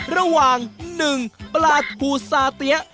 ระหว่าง๑ปลาทูซาเตี๊ยะ